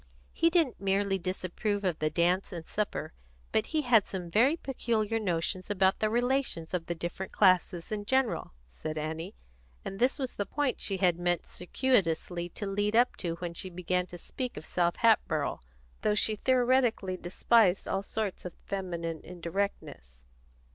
"He didn't merely disapprove of the dance and supper, but he had some very peculiar notions about the relations of the different classes in general," said Annie; and this was the point she had meant circuitously to lead up to when she began to speak of South Hatboro', though she theoretically despised all sorts of feminine indirectness.